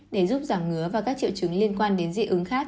để giúp giảm ngứa và các triệu chứng liên quan đến dị ứng khác